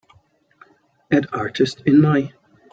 add artist in my